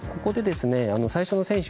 最初の選手